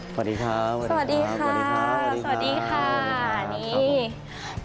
สวัสดีค่ะสวัสดีค่ะสวัสดีค่ะสวัสดีค่ะสวัสดีค่ะ